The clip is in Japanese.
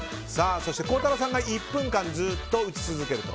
そして孝太郎さんが１分間ずっと打ち続けると。